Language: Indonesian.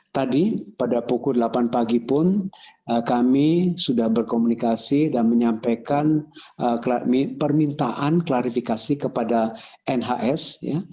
tadi pada pukul delapan pagi pun kami sudah berkomunikasi dan menyampaikan permintaan klarifikasi kepada nhs